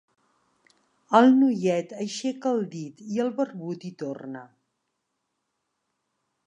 El noiet aixeca el dit i el barbut hi torna.